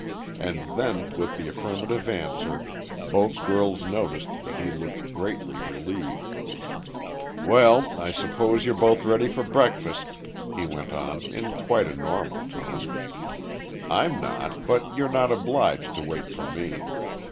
And then, with the affirmative answer, both girls noticed that he looked greatly relieved. "Well, I suppose you're both ready for breakfast," he went on in quite a normal tone. "I'm not, but you're not obliged to wait for me.